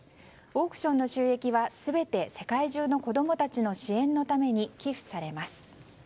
オークションの収益は全て世界中の子供たちの支援のために寄付されます。